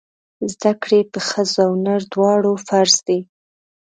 زده کړې په ښځه او نر دواړو فرض دی!